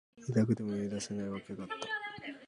言いたくても言い出せない訳があった。